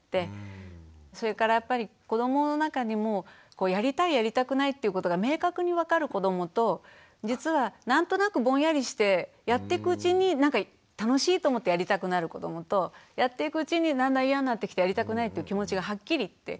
それからやっぱり子どもの中にもやりたいやりたくないっていうことが明確に分かる子どもと実は何となくぼんやりしてやってくうちになんか楽しいと思ってやりたくなる子どもとやっていくうちにだんだん嫌になってきてやりたくないっていう気持ちがはっきりして。